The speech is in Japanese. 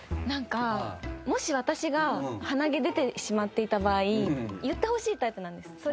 なんかもし私が鼻毛出てしまっていた場合言ってほしいタイプなんです。